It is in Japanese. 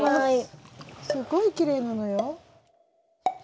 すごいきれいなのよ。